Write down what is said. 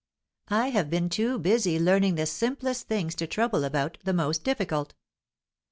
I have been too busy learning the simplest things to trouble about the most difficult."